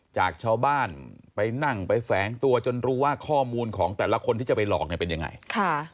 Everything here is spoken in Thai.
จากชาวบ้านไปนั่งไปแฝงตัวจนรู้ว่าข้อมูลของแต่ละคนที่จะไปหลอกเนี่ยเป็นยังไงค่ะ